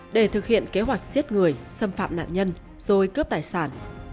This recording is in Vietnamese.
để thực hiện kế hoạch giết người xâm phạm nạn nhân rồi cướp tài sản